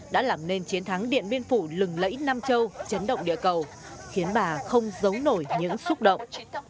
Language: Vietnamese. đã làm nên chiến thắng điện biên phủ lừng lẫy nam châu chấn động địa cầu khiến bà không giấu nổi những xúc động